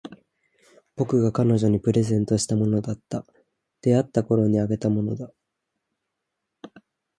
僕が彼女にプレゼントしたものだった。出会ったころにあげたものだ。